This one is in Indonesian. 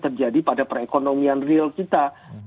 terjadi pada perekonomian real kita